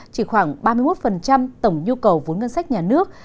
chỉ khoảng ba mươi một tổng nhu cầu vốn ngân sách nhà nước